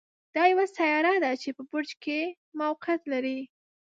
دا یوه سیاره ده چې په برج کې موقعیت لري.